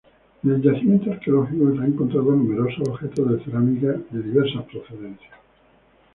En el yacimiento arqueológico se han encontrado numerosos objetos de cerámicas de diversas procedencias.